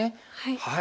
はい。